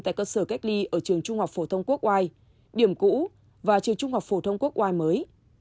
tại cơ sở cách ly ở trường trung học phổ thông quốc oai điểm cũ và trường trung học phổ thông quốc oai mới